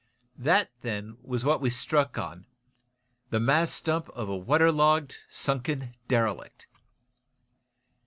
That, then, was what we struck on the mast stump of a water logged, sunken derelict!